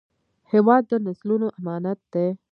هېواد د نسلونو امانت دی